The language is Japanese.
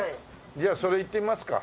じゃあそれいってみますか。